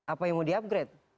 apa yang mau di upgrade